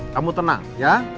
kamu tenang ya